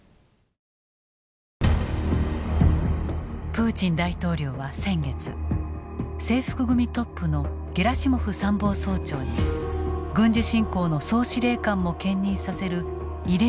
プーチン大統領は先月制服組トップのゲラシモフ参謀総長に軍事侵攻の総司令官も兼任させる異例の人事を断行。